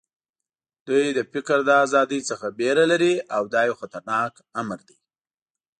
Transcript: دوی د فکر له ازادۍ څخه وېره لري او دا یو خطرناک امر دی